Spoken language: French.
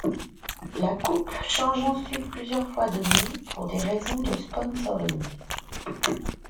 La coupe change ensuite plusieurs fois de noms pour des raisons de sponsoring.